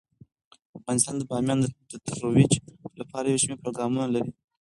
افغانستان د بامیان د ترویج لپاره یو شمیر پروګرامونه لري.